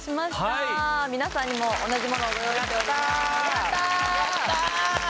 はい皆さんにも同じものをご用意しております・